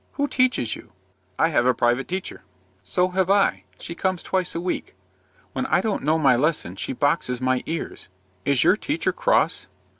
Who teaches you?" "I have a private teacher." "So have I. She comes twice a week. When I don't know my lesson, she boxes my ears. Is your teacher cross?"